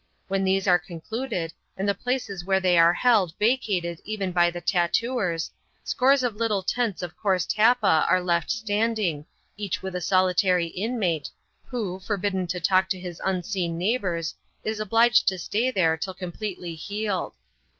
When these are concluded, and the places where they are held vacated even by the tattooers, scores of little tents of coarse tappa are left standing, each with a solitary inmate, who, forbidden to talk to his unseen neighbours, is obliged to stay there till completely healed.